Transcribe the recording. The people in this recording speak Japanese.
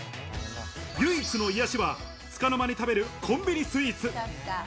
唯一の癒やしは、つかの間に食べるコンビニスイーツ。